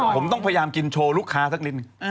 ผมต้องพยายามกินโชว์ลูกค้าสักลิ้น